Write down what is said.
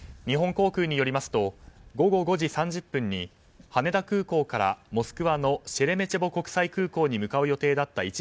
日本航空によりますと午後５時３０分に羽田空港からモスクワのシェレメチェボ国際空港に向かう予定だった